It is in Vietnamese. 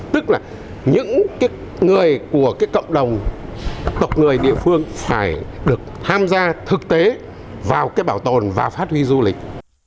tức là những người của cộng đồng tộc người địa phương phải được tham gia thực tế vào bảo tồn và phát huy du lịch